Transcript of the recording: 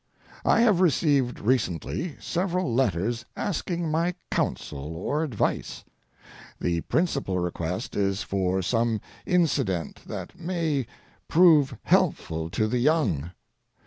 I have received recently several letters asking my counsel or advice. The principal request is for some incident that may prove helpful to the young.